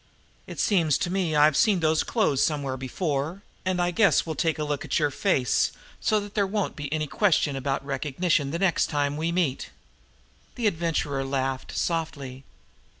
"It seems to me I've seen those clothes somewhere before, and I guess now we'll take a look at your face so that there won't be any question about recognition the next time we meet." The Adventurer laughed softly.